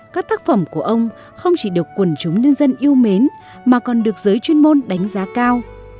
các tác phẩm của ông không chỉ được quần chúng nhân dân yêu mến mà còn được giới chuyên môn đánh giá cao